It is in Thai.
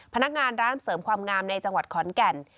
พนักงานร้านเสริมความงามในจังหวัดขอนแก่น